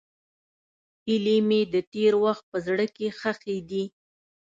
هیلې مې د تېر وخت په زړه کې ښخې دي.